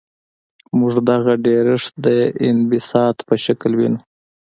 موږ دغه ډیرښت د انبساط په شکل وینو.